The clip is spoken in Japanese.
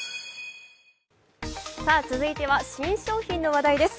続いては新商品の話題です。